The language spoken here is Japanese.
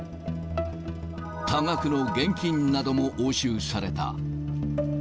多額の現金なども押収された。